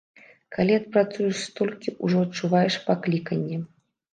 Калі адпрацуеш столькі, ужо адчуваеш пакліканне.